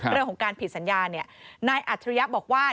เรื่องของการผิดสัญญาเนี่ยนายอัธริยับบอกว่า